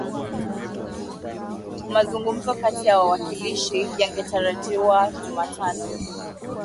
Mazungumzo kati ya wawakilishi yangetarajiwa Jumatano